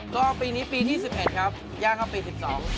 ก็ปีนี้ปี๒๑ครับย่างครับปี๑๒